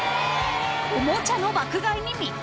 ［おもちゃの爆買いに密着］